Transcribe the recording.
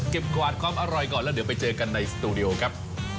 กวาดความอร่อยก่อนแล้วเดี๋ยวไปเจอกันในสตูดิโอครับ